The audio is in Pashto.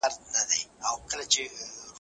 د ټولنيز وضعيت د ښه والي هڅه وکړئ.